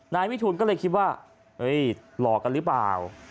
นายวิทูลก็เลยคิดว่าหลอกกันหรือเปล่า